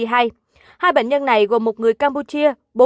hai bệnh nhân này gồm một người campuchia